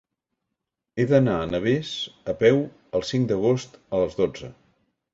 He d'anar a Navès a peu el cinc d'agost a les dotze.